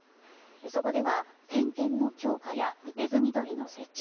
そこでは点検の強化やネズミ捕りの設置